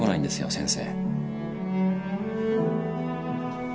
先生。